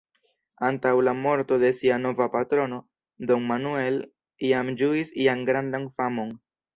Antaŭ la morto de sia nova patrono, Don Manuel jam ĝuis ian grandan famon.